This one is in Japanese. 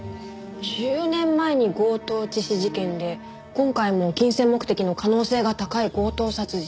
１０年前に強盗致死事件で今回も金銭目的の可能性が高い強盗殺人。